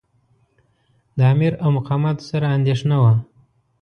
د امیر او مقاماتو سره اندېښنه وه.